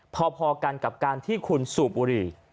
พอกันกับการที่คุณสูบบุหรี่